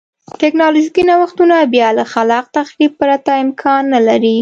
ټکنالوژیکي نوښتونه بیا له خلاق تخریب پرته امکان نه لري.